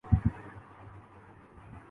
آج بھی لوگ بحث کرتے ہیں کہ عقل ماخذ علم یا وحی؟